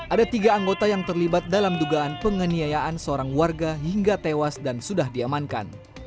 ada tiga anggota yang terlibat dalam dugaan penganiayaan seorang warga hingga tewas dan sudah diamankan